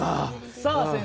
さあ先生